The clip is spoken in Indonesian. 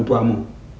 itu orang tuamu